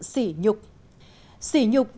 xỉ nhục là một sự xỉ nhục